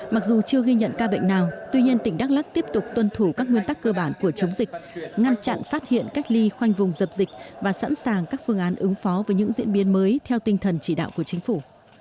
mặc dù chưa ghi nhận ca bệnh nào tuy nhiên tỉnh đắk lắc tiếp tục tuân thủ các nguyên tắc cơ bản của chống dịch ngăn chặn phát hiện cách ly khoanh vùng dập dịch và sẵn sàng các phương án ứng phó với những diễn biến mới theo tinh thần chỉ đạo của chính phủ